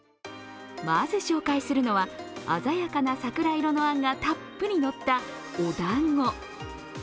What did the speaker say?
まず紹介するのは、鮮やかな桜色のあんがたっぷり乗ったおだんご。